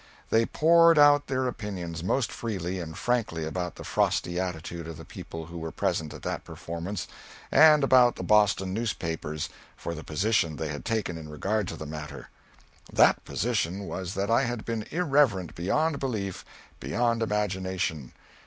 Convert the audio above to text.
They poured out their opinions most freely and frankly about the frosty attitude of the people who were present at that performance, and about the Boston newspapers for the position they had taken in regard to the matter. That position was that I had been irreverent beyond belief, beyond imagination.